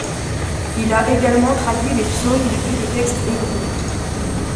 Il a également traduit les Psaumes depuis le texte hébreu.